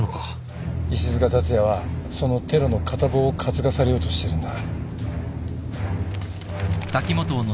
石塚辰也はそのテロの片棒を担がされようとしてるんだ。